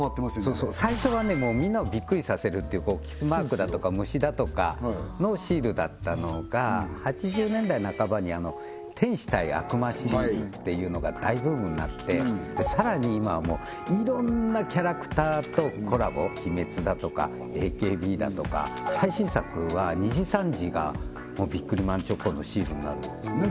そうそう最初はねみんなをビックリさせるっていうキスマークだとか虫だとかのシールだったのが８０年代半ばに天使ＶＳ悪魔シリーズっていうのが大ブームになってさらに今はもういろんなキャラクターとコラボ鬼滅だとかＡＫＢだとか最新作はにじさんじがビックリマンチョコのシールになるんですよ何？